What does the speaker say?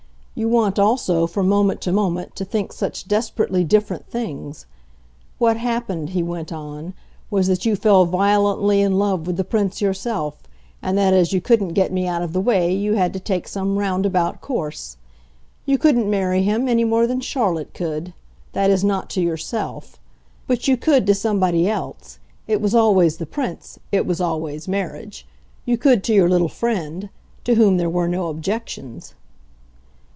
You want also, from moment to moment, to think such desperately different things. What happened," he went on, "was that you fell violently in love with the Prince yourself, and that as you couldn't get me out of the way you had to take some roundabout course. You couldn't marry him, any more than Charlotte could that is not to yourself. But you could to somebody else it was always the Prince, it was always marriage. You could to your little friend, to whom there were no objections."